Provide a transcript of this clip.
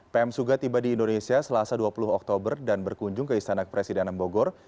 pm suga tiba di indonesia selasa dua puluh oktober dan berkunjung ke istana kepresidenan bogor